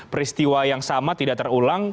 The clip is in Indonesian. peristiwa yang sama tidak terulang